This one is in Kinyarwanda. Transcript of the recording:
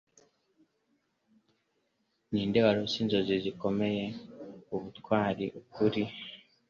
Ninde warose inzozi zikomeye, ubutwari, ukuri,